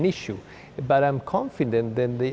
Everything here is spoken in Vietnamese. nhưng cũng có nhiều cơ hội mới